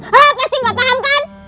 hah pasti gak paham kan